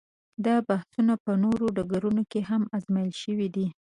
دغه بحثونه په نورو ډګرونو کې هم ازمویل شوي دي.